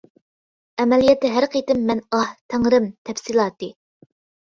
ئەمەلىيەتتە ھەر قېتىم مەن ئاھ، تەڭرىم. تەپسىلاتى.